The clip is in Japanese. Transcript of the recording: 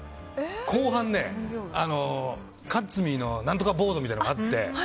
後半、カッツミーの何とかボードみたいなのがあって。